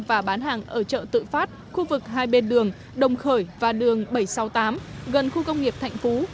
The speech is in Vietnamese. và bán hàng ở chợ tự phát khu vực hai bên đường đồng khởi và đường bảy trăm sáu mươi tám gần khu công nghiệp thạnh phú